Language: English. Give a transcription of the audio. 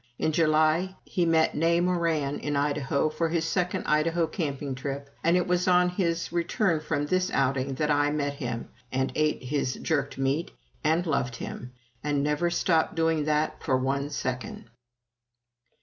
In July he met Nay Moran in Idaho for his second Idaho camping trip; and it was on his return from this outing that I met him, and ate his jerked meat and loved him, and never stopped doing that for one second.